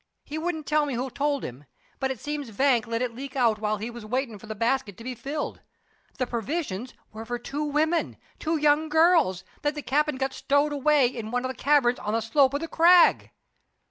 He wouldn't tell me who told him; but it seems Vank let it leak out while he was waitin' for the basket to be filled. The provisions were for two women two young girls that the cap'n'd got stowed away in one of the caverns on the slope of the Crag."